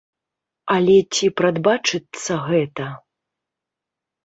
Але ці прадбачыцца гэта?